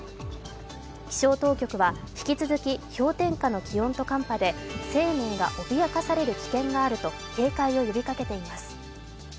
気象当局は引き続き氷点下の気温と寒波で生命が脅かされる危険があると警戒を呼びかけています。